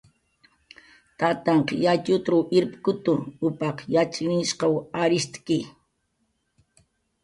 Tantanhq yatxutruw irpkutu, upaq yatxchirinhshqaw arisht'ki